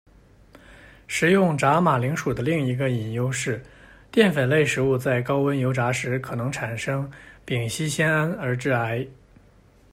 食用炸马铃薯的另一个隐忧是，淀粉类食物在高温油炸时可能产生丙烯酰胺而致癌。